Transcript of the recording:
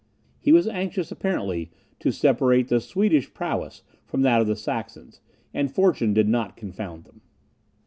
He was anxious apparently to separate the Swedish prowess from that of the Saxons, and fortune did not confound them.